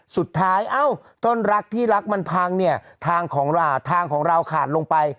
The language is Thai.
สุดท้ายอ้าวป้นลักษณ์ที่ลักษณ์มันพังเนี่ยทางของเราขาดลงไป